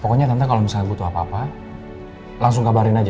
pokoknya tante kalau misalnya butuh apa apa langsung kabarin aja